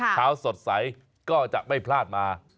เช้าสดใสก็จะไม่พลาดมา